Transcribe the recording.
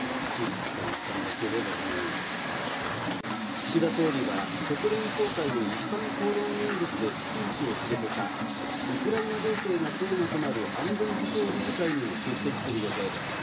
岸田総理は、国連総会の一般討論演説でスピーチをする他、ウクライナ情勢がテーマとなる安全保障理事会にも出席する予定です。